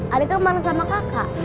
adeknya kemarin sama kakak